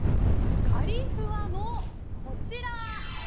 カリふわのこちら。